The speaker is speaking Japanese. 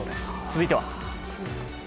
続いては。